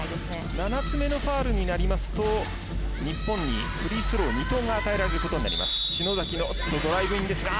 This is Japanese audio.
７つ目のファウルになりますと日本にフリースロー２投が与えられることになります。